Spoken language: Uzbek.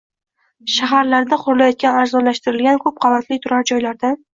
Shaharlarda qurilayotgan arzonlashtirilgan ko‘p qavatli turar joylardan